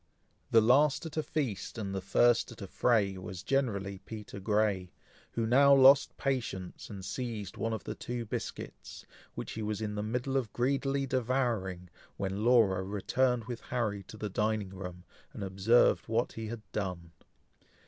The last at a feast, and the first at a fray, was generally Peter Grey, who now lost patience, and seized one of the two biscuits, which he was in the middle of greedily devouring, when Laura returned with Harry to the dining room, and observed what he had done.